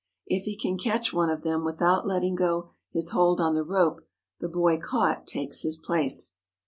If he can catch one of them without letting go his hold on the rope the boy caught takes his place.